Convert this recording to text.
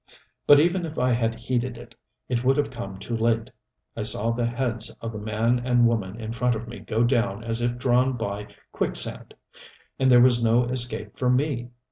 But even if I had heeded it, it would have come too late. I saw the heads of the man and woman in front of me go down as if drawn by quicksand. And there was no escape for me.